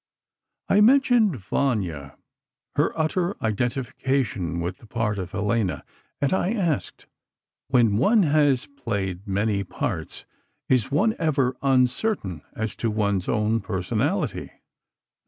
I mentioned "Vanya"—her utter identification with the part of Helena; and I asked: "When one has played many parts, is one ever uncertain as to one's own personality?"